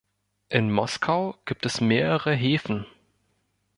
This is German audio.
In Moskau gibt es mehrere Häfen.